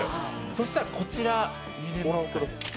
そうしたら、こちら。